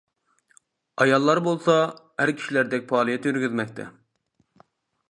ئاياللار بولسا، ئەر كىشىلەردەك پائالىيەت يۈرگۈزمەكتە.